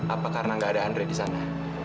apa karena nggak ada andre di sana